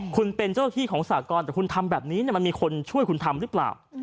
คุณเป็นเจ้าหน้าที่ของสากรแต่คุณทำแบบนี้มันมีคนช่วยคุณทำหรือเปล่า